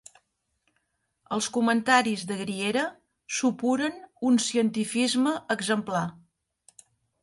Els comentaris de Griera supuren un cientifisme exemplar.